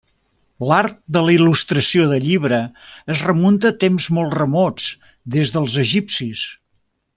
L'art de la il·lustració de llibre es remunta a temps molt remots, des dels egipcis.